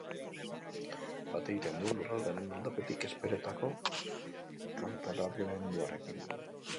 Bat egiten du lurraldearen aldetik Ezpeletako Kantonamenduarekin.